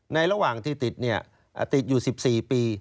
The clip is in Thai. ระหว่างที่ติดติดอยู่๑๔ปี